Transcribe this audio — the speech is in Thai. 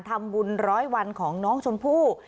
ทำบุญร้อยวันของน้องชมพู่